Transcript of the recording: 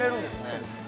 そうです